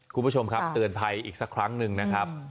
คุณผู้ชมครับเตือนภัยอีกสักครั้งหนึ่งนะครับ